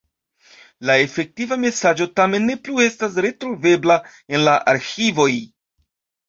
La efektiva mesaĝo tamen ne plu estas retrovebla en la arĥivoj.